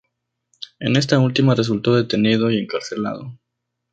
En esta última resultó detenido y encarcelado.